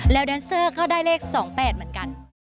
แล้วแดนเซอร์ก็ได้เลข๒๘เหมือนกัน